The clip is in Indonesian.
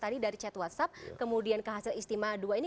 tadi dari chat whatsapp kemudian ke hasil istimewa dua ini